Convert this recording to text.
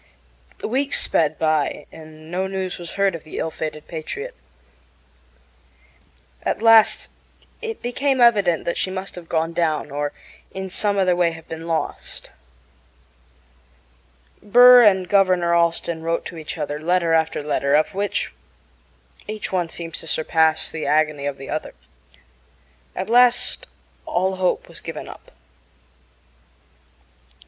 Weeks sped by, and no news was heard of the ill fated Patriot. At last it became evident that she must have gone down or in some other way have been lost. Burr and Governor Allston wrote to each other letter after letter, of which each one seems to surpass the agony of the other. At last all hope was given up.